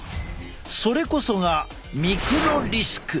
それこそがミクロリスク。